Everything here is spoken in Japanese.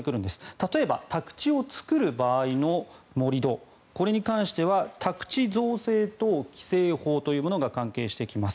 例えば、宅地を作る場合の盛り土これに関しては宅地造成等規制法というものが関係してきます。